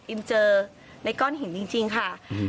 เจอในก้อนหินจริงค่ะ